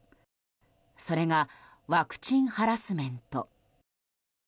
それがワクチンハラスメント。